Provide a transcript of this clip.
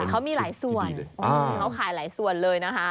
เขามีหลายส่วนเขาขายหลายส่วนเลยนะคะ